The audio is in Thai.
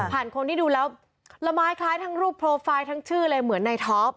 คนที่ดูแล้วละไม้คล้ายทั้งรูปโปรไฟล์ทั้งชื่อเลยเหมือนในท็อป